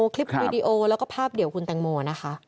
คลิปวีดีโอแล้วก็ภาพเดี่ยวคุณแตงโมนะคะ